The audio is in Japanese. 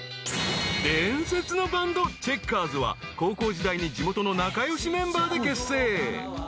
［伝説のバンドチェッカーズは高校時代に地元の仲良しメンバーで結成］